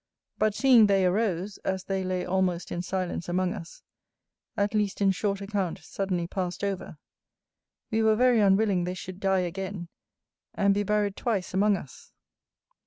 But seeing they arose, as they lay almost in silence among us, at least in short account suddenly passed over, we were very unwilling they should die again, and be buried twice among us.